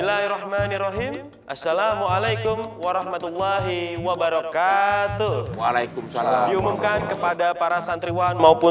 assalamualaikum warahmatullahi wabarakatuh waalaikumsalam kepada para santriwan maupun